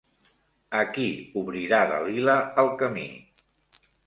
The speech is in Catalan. A qui obrirà Dalila el camí?